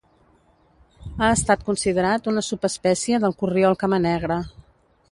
Ha estat considerat una subespècie del corriol camanegre.